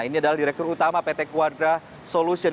ini adalah direktur utama pt quadra solution